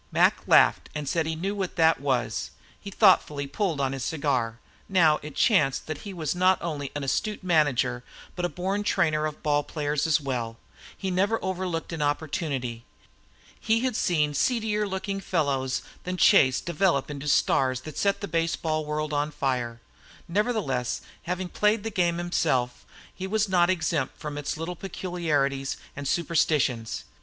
Mac laughed and said he knew how that was, then thoughtfully pulled on his cigar. Now it chanced that he was not only an astute manager, but a born trainer of ball players as well. He never overlooked an opportunity. He had seen seedier looking fellows than Chase develop into stars that set the baseball world afire. Nevertheless, having played the game himself, he was not exempt from its little peculiarities and superstitions.